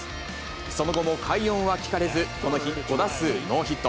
その後も快音は聞かれず、この日、５打数ノーヒット。